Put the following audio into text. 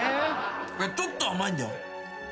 ちょっと甘いんだよ。